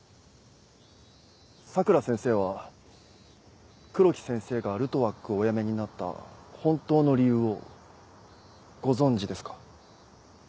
佐倉先生は黒木先生がルトワックをお辞めになった本当の理由をご存じですか？